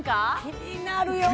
気になるよね